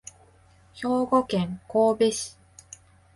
兵庫県神戸市